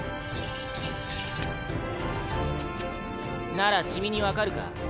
ならチミに分かるか？